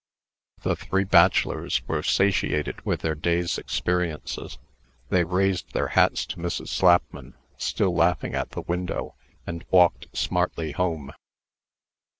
The three bachelors were satiated with their day's experiences. They raised their hats to Mrs. Slapman, still laughing at the window, and walked smartly home.